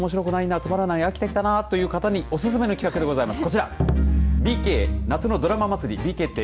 家の中にいてもつまらない飽きてきたなという人におすすめな企画でございます。